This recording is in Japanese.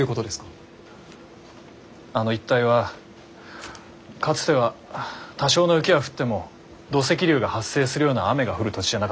あの一帯はかつては多少の雪は降っても土石流が発生するような雨が降る土地じゃなかった。